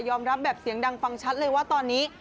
รับแบบเสียงดังฟังชัดเลยว่าตอนนี้